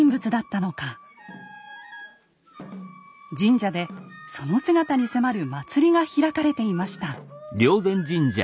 神社でその姿に迫る祭りが開かれていました。